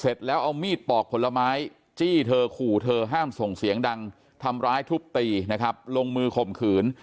เสร็จแล้วเอามีดปอกผลไม้จี้เธอขู่เธอห้ามส่งเสียงดังทำร้ายทุบตีนะครับลงมือข่มขืน